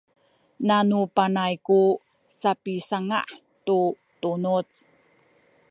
nanu panay ku sapisanga’ tu tunuz